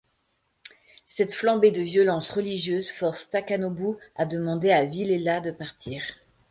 Cette flambée de violence religieuse force Takanobu à demander à Vilela de partir.